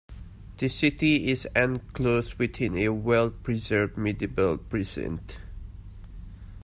The city is enclosed within a well-preserved medieval precinct.